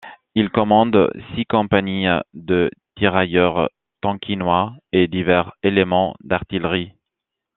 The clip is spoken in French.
Il commande six compagnies de tirailleurs tonkinois et divers éléments d'artillerie.